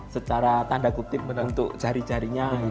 secara tanda kutip untuk jari jarinya